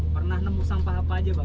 pernah nemuin sampah apa bang